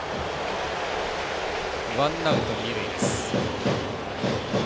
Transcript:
ワンアウト、二塁です。